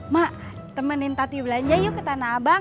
mak temenin tati belanja yuk ke tanah abang